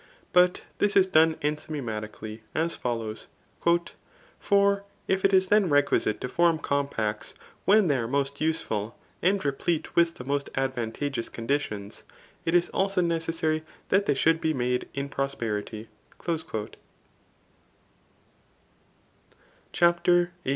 But this is done enthymemati* eally as follows :<* For if it is then requisite to form compacts, whki they are most useful, and replete with tbe toost advantageous conditicms, it is also necessary that they should be made in pro^rity*" CHAPTER XVra.